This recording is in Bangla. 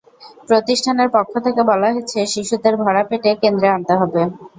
প্রতিষ্ঠানের পক্ষ থেকে বলা হয়েছে, শিশুদের ভরা পেটে কেন্দ্রে আনতে হবে।